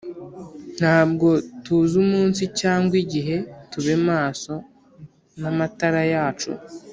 Nta bwo tuz’ umunsi cyangw’ igihe , tube maso n ‘amatara yacu